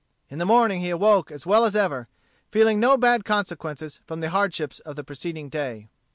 In the morning he awoke as well as ever, feeling no bad consequences from the hardships of the preceding day.